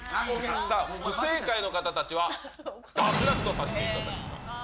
さあ、不正解の方たちは、脱落とさせていただきます。